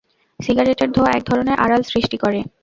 সিগারেটের ধোঁয়া এক ধরনের আড়াল সৃষ্টি করে।